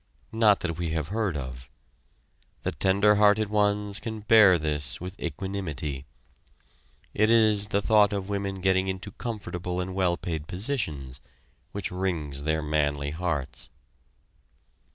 Not that we have heard of. The tender hearted ones can bear this with equanimity. It is the thought of women getting into comfortable and well paid positions which wrings their manly hearts.